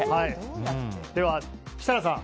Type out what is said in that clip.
では、設楽さん